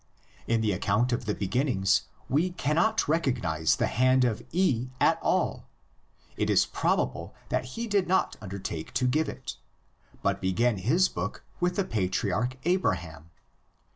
In the account of the beginnings we cannot recog nise the hand of E at all; it is probable that he did not undertake to give it, but began his book with the patriarch Abraham.